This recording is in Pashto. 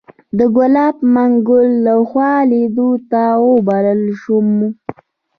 د ګلاب منګل لخوا لیدو ته وبلل شوو.